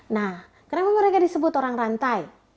nah kenapa mereka disebut orang rantai